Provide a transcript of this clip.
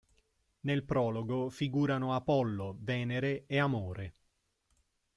Nel prologo figurano Apollo, Venere e Amore.